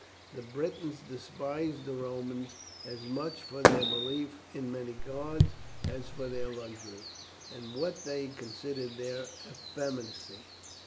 The Britons despised the Romans as much for their belief in many gods as for their luxury, and what they considered their effeminacy.